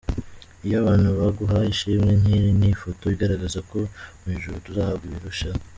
Iyo abantu baguhaye ishimwe nk’iri ni ifoto igaragaza ko mu ijuru tuzahabwa ibiruseho.